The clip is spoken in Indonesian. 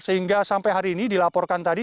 sehingga sampai hari ini dilaporkan tadi